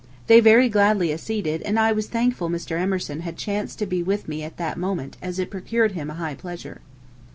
They very gladly acceded, and I was thankful Mr. Emerson had chanced to be with me at that moment as it procured him a high pleasure.